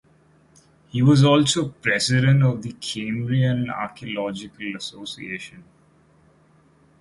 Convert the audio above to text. He was also president of the Cambrian Archaeological Association.